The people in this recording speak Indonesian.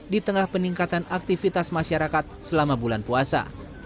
di tengah peningkatan aktivitas masyarakat selama bulan puasa